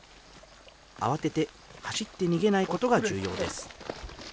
慌てて走って逃げないことが重要です。